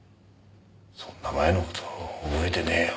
そんな前の事覚えてねえよ。